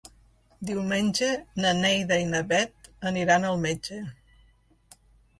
Diumenge na Neida i na Bet aniran al metge.